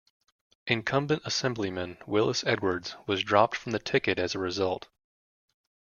Incumbent Assemblyman Willis Edwards was dropped from the ticket as a result.